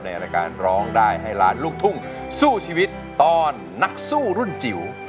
ในรายการร้องได้ให้ล้านลูกทุ่งสู้ชีวิตตอนนักสู้รุ่นจิ๋ว